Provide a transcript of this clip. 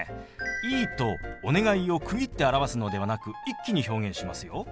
「いい」と「お願い」を区切って表すのではなく一気に表現しますよ。